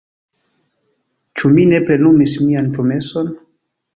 Ĉu mi ne plenumis mian promeson?